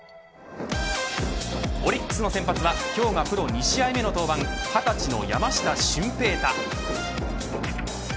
オリックスの先発は今日が２試合の登板２０歳の山下舜平大。